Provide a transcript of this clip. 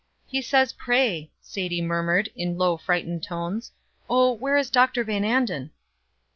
"He says pray!" Sadie murmured, in low, frightened tones. "Oh, where is Dr. Van Anden?"